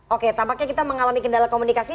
oke tampaknya kita mengalami kendala komunikasi